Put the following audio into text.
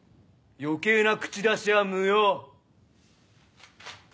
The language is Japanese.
余計な口出しは無用。